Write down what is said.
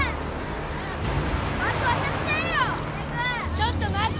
ちょっと待って。